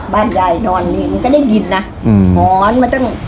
บ้านยายนอนนี่มันก็ได้ยินนะหอนมาตั้ง